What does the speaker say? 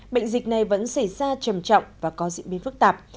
bệnh dịch này vẫn xảy ra trầm trọng và có diễn biến phức tạp